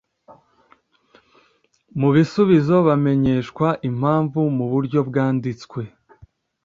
mu bisubizo bamenyeshwa impamvu mu buryo bwanditswe